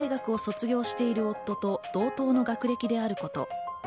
東京大学を卒業している夫と同等の学歴であること。